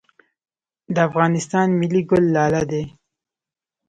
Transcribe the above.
د افغانستان ملي ګل لاله دی